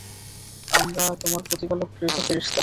আমরা তোমার প্রতিপালক প্রেরিত ফেরেশতা।